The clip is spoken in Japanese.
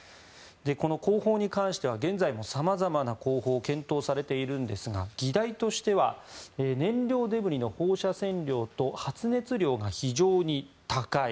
この工法に関しては現在も様々な工法を検討されているんですが議題としては燃料デブリの放射線量と発熱量が非常に高い。